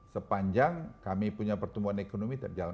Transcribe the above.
sepanjang kami punya pertumbuhan ekonomi terjalankan